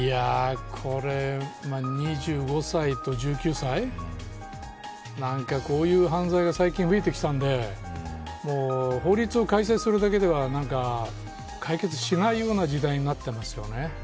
これ、２５歳と１９歳なんか、こういう犯罪が最近増えてきたんで法律を改正するだけでは解決しないような時代になってますよね。